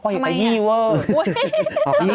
ก็เห็นกะยี่เวิร์ด